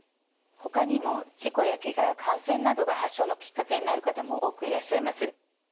ほかにも事故やけが感染などが発症のきっかけになる方も多くいらっしゃいます。